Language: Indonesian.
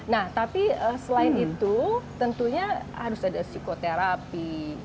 nah tapi selain itu tentunya harus ada psikoterapi